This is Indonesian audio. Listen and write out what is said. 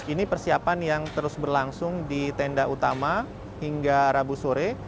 ini persiapan yang terus berlangsung di tenda utama hingga rabu sore